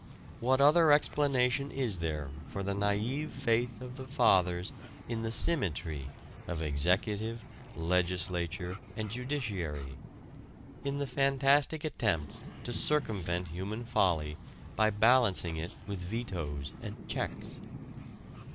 What other explanation is there for the naïve faith of the Fathers in the "symmetry" of executive, legislature, and judiciary; in the fantastic attempts to circumvent human folly by balancing it with vetoes and checks?